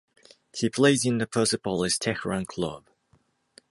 He plays in the Persepolis Tehran club.